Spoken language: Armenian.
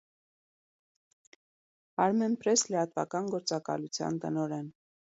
«Արմենպրես» լրատվական գործակալության տնօրեն։